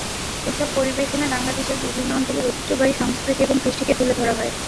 এসব পরিবেশনায় বাংলাদেশের বিভিন্ন অঞ্চলের ঐতিহ্যবাহী সংস্কৃতি এবং কৃষ্টিকে তুলে ধরা হয়।